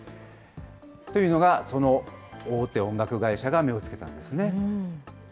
というのが、その大手音楽会社が目を付けたんですね。